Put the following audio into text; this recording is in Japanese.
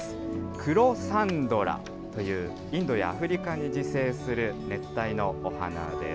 クロサンドラというインドやアフリカに自生する熱帯のお花です。